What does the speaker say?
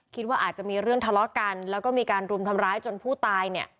คิดว่าอาจจะมีเรื่องทะเลาะกันแล้วก็มีการรุมทำร้ายจนผู้ตายเนี่ย